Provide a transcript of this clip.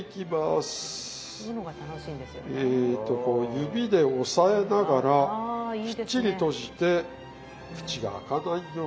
指で押さえながらきっちり閉じて口が開かないように。